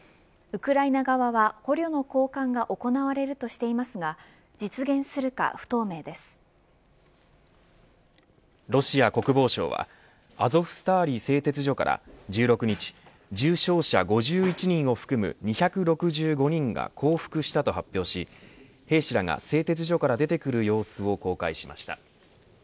ウクライナ側は捕虜の交換が行われるとしていますがロシア国防省はアゾフスターリ製鉄所から１６日、重傷者５１人を含む２６５人が降伏したと発表し兵士らが製鉄所から出てくる様子を公開しました。